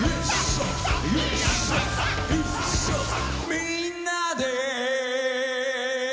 「みんなで」